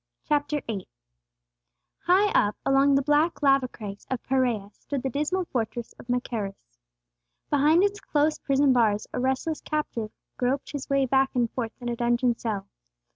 CHAPTER VIII. HIGH up among the black lava crags of Perea stood the dismal fortress of Macherus. Behind its close prison bars a restless captive groped his way back and forth in a dungeon cell.